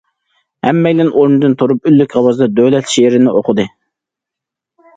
ھەممەيلەن ئورنىدىن تۇرۇپ، ئۈنلۈك ئاۋازدا دۆلەت شېئىرىنى ئوقۇدى.